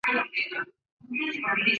除了选举还是选举